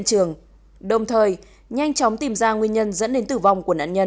trường đồng thời nhanh chóng tìm ra nguyên nhân dẫn đến tử vong của nạn nhân